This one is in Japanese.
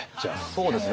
そうですね。